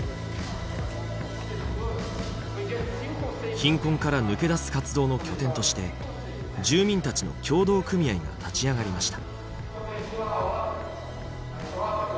貧困から抜け出す活動の拠点として住民たちの共同組合が立ち上がりました。